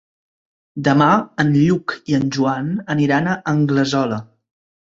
Demà en Lluc i en Joan aniran a Anglesola.